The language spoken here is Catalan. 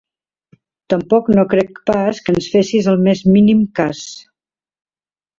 Tampoc no crec pas que ens fessis el més mínim cas.